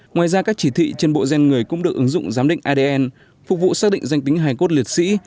ngoài ra các chỉ thị trên bộ gen người cũng được ứng dụng giám định adn phục vụ xác định danh tính hài cốt liệt sĩ